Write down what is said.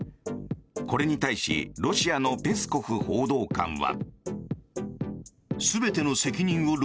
これに対しロシアのペスコフ報道官は。